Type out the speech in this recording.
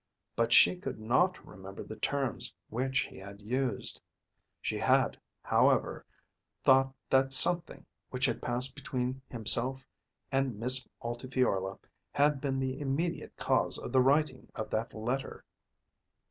But she could not remember the terms which he had used. She had, however, thought that something which had passed between himself and Miss Altifiorla had been the immediate cause of the writing of that letter.